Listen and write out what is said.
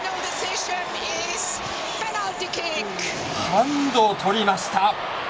ハンドを取りました。